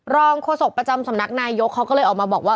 โฆษกประจำสำนักนายยกเขาก็เลยออกมาบอกว่า